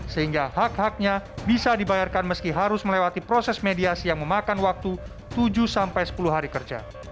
sehingga hak haknya bisa dibayarkan meski harus melewati proses mediasi yang memakan waktu tujuh sepuluh hari kerja